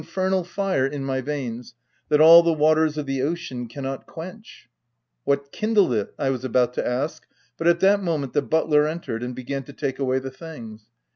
181 fernal fire in my veins, that all the waters of the ocean cannot quench !"" What kindled it?'* I was about to ask, but at that moment the butler entered and began to take away the things.